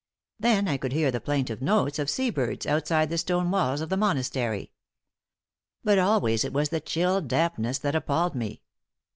Then I could hear the plaintive notes of sea birds outside the stone walls of the monastery. But always it was the chill dampness that appalled me.